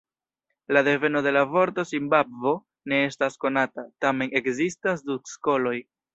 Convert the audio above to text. La deveno de la vorto "Zimbabvo" ne estas konata, tamen ekzistas du skoloj.